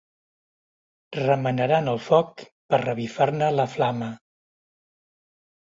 Remenaran el foc per revifar-ne la flama.